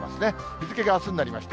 日付があすになりました。